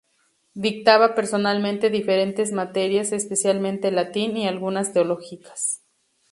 Dictaba personalmente diferentes materias, especialmente latín y algunas teológicas.